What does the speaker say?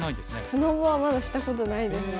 スノボはまだしたことないですね。